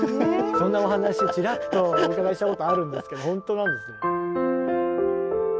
そんなお話ちらっとお伺いしたことあるんですけどほんとなんですね。